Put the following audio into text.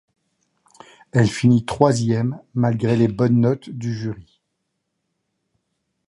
Elle finit troisième malgré les bonnes notes du jury.